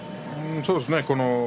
そうですね。